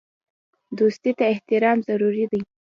دوستۍ ته احترام ضروري دی.